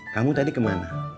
kamu tadi kemana